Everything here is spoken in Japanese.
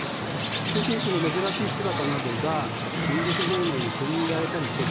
通信使の珍しい姿などが民俗芸能に取り入れられたりしてですね